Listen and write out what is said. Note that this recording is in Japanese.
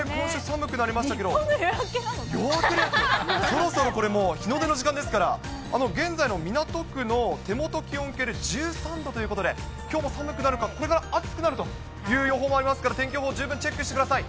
そろそろ、これもう、日の出の時間ですから、現在の港区の手元気温計で、１３度ということで、きょうも寒くなるか、これから暑くなるという予報もありますから、天気予報、十分チェックしてください。